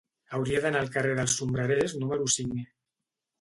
Hauria d'anar al carrer dels Sombrerers número cinc.